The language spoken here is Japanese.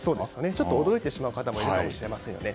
ちょっと驚いてしまう方もいるかもしれませんね。